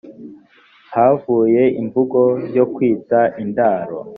havuye imvugo yo kwita indaro